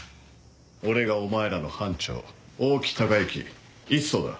俺がお前らの班長大木隆之１曹だ。